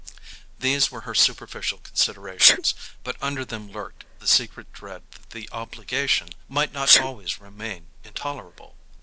These were her superficial considerations; but under them lurked the secret dread that the obligation might not always remain intolerable.